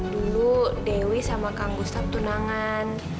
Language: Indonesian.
dulu dewi sama kang gustaf tunangan